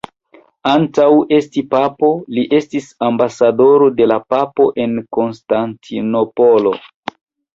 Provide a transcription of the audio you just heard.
Antaŭ esti papo, li estis ambasadoro de la papo en Konstantinopolo.